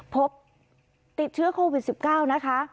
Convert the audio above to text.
พบติดเชื้อโควิด๑๙นะคะ